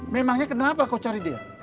memangnya kenapa kau cari dia